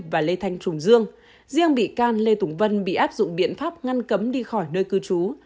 và lê thanh trùng dương riêng bị can lê tùng vân bị áp dụng biện pháp ngăn cấm đi khỏi nơi cư trú